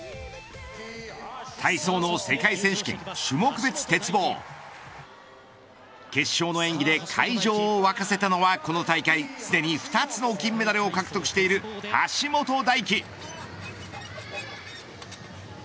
体操の世界選手権種目別鉄棒決勝の演技で会場を沸かせたのはこの大会すでに２つの金メダルを獲得している橋本大輝。